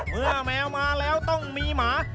แมวมาแล้วต้องมีหมา